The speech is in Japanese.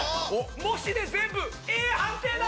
模試で全部Ａ判定だ！